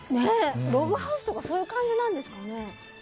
ログハウスとかそういう感じなんですかね？